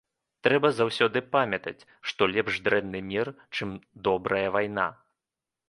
Трэба заўсёды памятаць, што лепш дрэнны мір, чым добрая вайна.